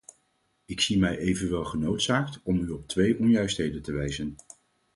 Ik zie mij evenwel genoodzaakt om u op twee onjuistheden te wijzen.